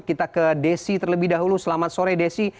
kita ke desi terlebih dahulu selamat sore desi